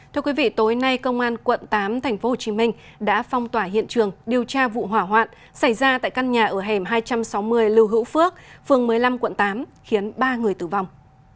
thưa quý vị tối nay công an quận tám tp hcm đã phong tỏa hiện trường điều tra vụ hỏa hoạn xảy ra tại căn nhà ở hẻm hai trăm sáu mươi lưu hữu phước phường một mươi năm quận tám khiến ba người tử vong